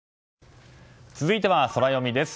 続いてはソラよみです。